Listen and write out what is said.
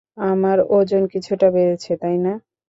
আমার ওজন কিছুটা বেড়েছে, তাই না?